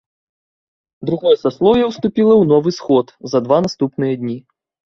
Другое саслоўе ўступіла ў новы сход за два наступныя дні.